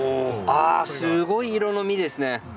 あすごい色の身ですね。